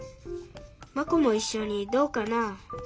マコもいっしょにどうかな？